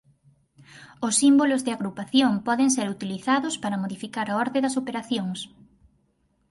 Os símbolos de agrupación poden ser utilizados para modificar a orde das operacións.